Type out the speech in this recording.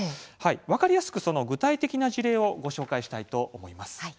分かりやすくその具体的な事例をご紹介したいと思います。